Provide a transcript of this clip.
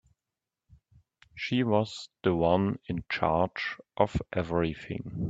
She was the one in charge of everything.